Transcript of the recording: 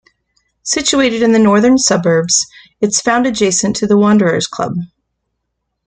Situated in the northern suburbs, its found adjacent to the Wanderers Club.